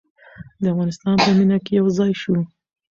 د افغانستان په مینه کې یو ځای شو.